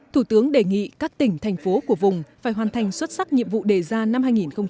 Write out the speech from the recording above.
thủ tướng đề nghị các tỉnh thành phố của vùng phải hoàn thành xuất sắc nhiệm vụ đề ra năm hai nghìn hai mươi